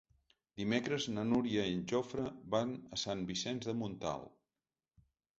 Dimecres na Núria i en Jofre van a Sant Vicenç de Montalt.